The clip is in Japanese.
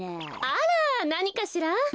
あらなにかしら。